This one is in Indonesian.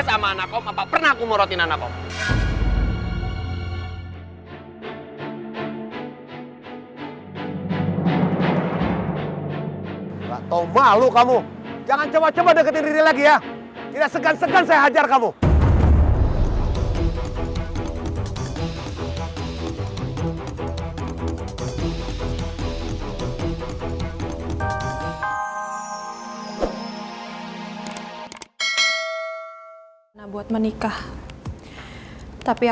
sampai jumpa di video selanjutnya